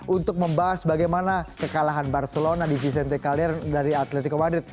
untuk membahas bagaimana kekalahan barcelona di vicente calder dari atletico madrid